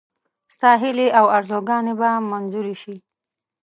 ستا هیلې او آرزوګانې به منظوري شي.